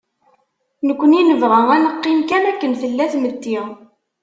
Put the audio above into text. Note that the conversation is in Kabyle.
Nekni nebɣa ad neqqim kan akken tella tmetti.